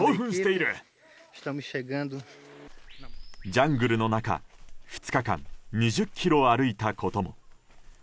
ジャングルの中、２日間２０ｋｍ歩いたことも。